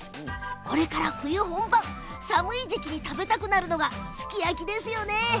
これから冬本番、寒い時期に食べたくなるのがすき焼きですよね。